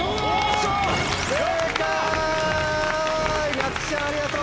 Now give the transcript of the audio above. なつきちゃんありがとう。